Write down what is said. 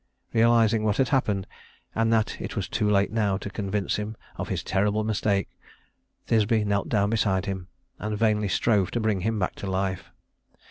Realizing what had happened, and that it was too late now to convince him of his terrible mistake, Thisbe knelt down beside him and vainly strove to bring him back to life.